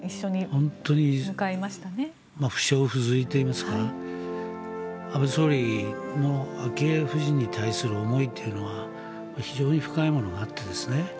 本当に夫唱婦随といいますか安倍総理の昭恵夫人に対する思いというのは非常に深いものがあってですね